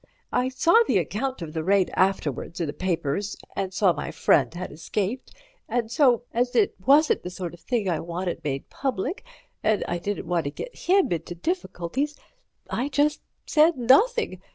I saw the account of the raid afterwards in the papers, and saw my friend had escaped, and so, as it wasn't the sort of thing I wanted made public and I didn't want to get him into difficulties, I just said nothing.